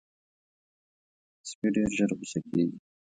سپي ډېر ژر غصه کېږي.